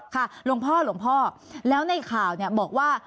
ค่ะหลวงพ่อแล้วในข่าวเนี่ยบอกว่า